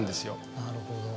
なるほど。